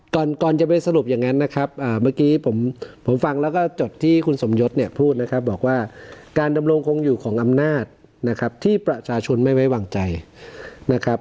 ก่อนก่อนจะไปสรุปอย่างนั้นนะครับเมื่อกี้ผมฟังแล้วก็จดที่คุณสมยศเนี่ยพูดนะครับบอกว่าการดำรงคงอยู่ของอำนาจนะครับที่ประชาชนไม่ไว้วางใจนะครับ